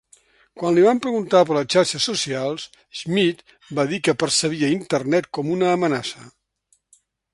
Quan li van preguntar per les xarxes socials, Schmidt va dir que percebia Internet com una "amenaça".